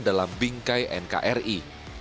dalam bingkai nkri